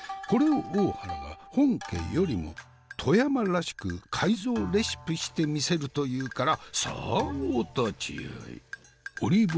これを大原が本家よりも富山らしく改造レシピしてみせるというからさあお立ち会い！